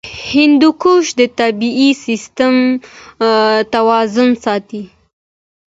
هندوکش د طبعي سیسټم توازن ساتي.